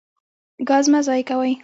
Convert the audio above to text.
ګاز مه ضایع کوئ.